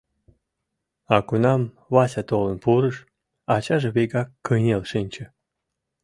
А кунам Вася толын пурыш, ачаже вигак кынел шинче.